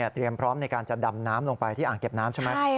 เตรียมพร้อมในการจะดำน้ำลงไปที่อ่างเก็บน้ำใช่ไหม